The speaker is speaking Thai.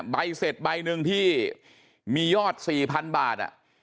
ใบเสร็จใบหนึ่งที่มียอด๔๐๐๐บาท